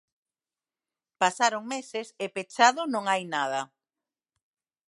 Pasaron meses e pechado non hai nada.